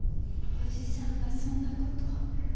伯父さんがそんなことを。